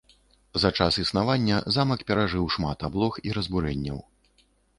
За час існавання замак перажыў шмат аблог і разбурэнняў.